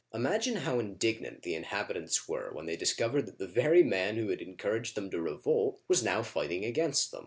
Imagine how indignant the inhabitants were when they discovered that the very man who had encouraged them to revolt was now fighting against them